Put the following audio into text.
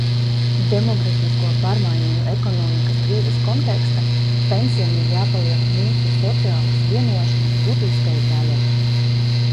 Demogrāfisko pārmaiņu un ekonomikas krīzes kontekstā pensijām ir jāpaliek mūsu sociālās vienošanās būtiskai daļai.